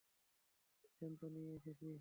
সিদ্ধান্ত নিয়ে নিয়েছি।